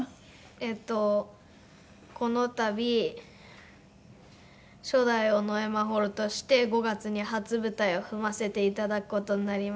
えっと「このたび初代尾上眞秀として５月に初舞台を踏ませていただく事になりました」